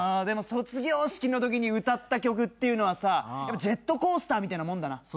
でも卒業式のときに歌った曲っていうのはさジェットコースターみてえなもんだな。